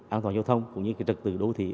an toàn giao thông cũng như cái trật tự đô thị